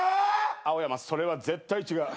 青山それは絶対違う。